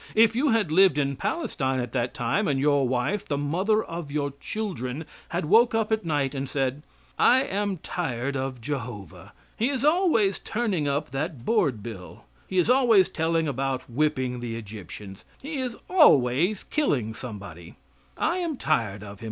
If you had lived in Palestine at that time, and your wife the mother of your children had woke up at night and said "I am tired of Jehovah. He is always turning up that board bill. He is always telling about whipping the Egyptians. He is always killing somebody. I am tired of Him.